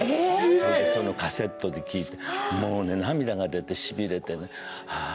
それでそれをカセットで聴いてもうね涙が出てしびれてねああ